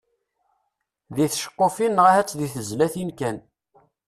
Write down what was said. Deg txeqqufin neɣ ahat deg tezlatin kan.